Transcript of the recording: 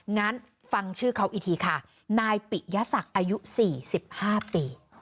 งั้นฟังชื่อเขาอีกทีค่ะนายปิยศักดิ์อายุ๔๕ปี